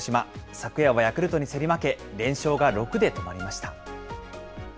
昨夜はヤクルトに競り負け、連勝が６で止まりました。